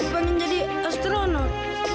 pengen jadi astronot